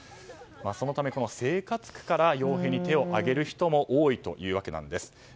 そのため生活苦から傭兵に手を上げる人も手を挙げる人も多いというわけなんです。